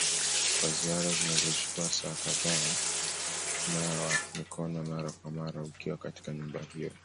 kwa ziara zinazochukua saa kadhaa nawa mikono mara kwa mara ukiwa katika nyumba hiyo.